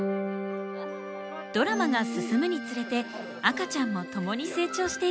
ドラマが進むにつれて赤ちゃんも共に成長していきます。